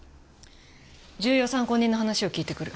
重要参考人の話を聞いてくる。